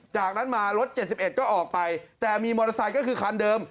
จากนั้นมารถ๗๑ก็ออกไปแต่มีมอเตอร์ไซค์ก็คือคันเดิม